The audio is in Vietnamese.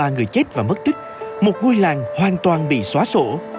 hai mươi ba người chết và mất tích một ngôi làng hoàn toàn bị xóa sổ